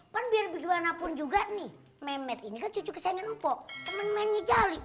kan biar bagi manapun juga nih mehmet ini kan cucu kesayangan mpo temen temennya jali